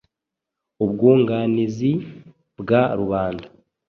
Ubwunganizi bwa rubanda-